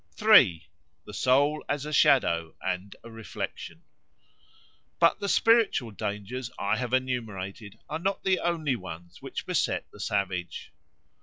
3. The Soul as a Shadow and a Reflection BUT the spiritual dangers I have enumerated are not the only ones which beset the savage.